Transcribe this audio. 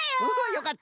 よかった。